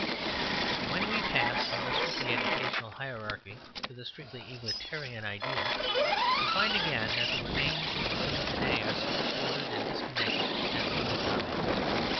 When we pass from the strictly educational hierarchy to the strictly egalitarian ideal, we find again that the remains of the thing to day are so distorted and disconnected as to be comic.